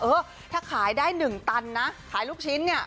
เออถ้าขายได้๑ตันนะขายลูกชิ้นเนี่ย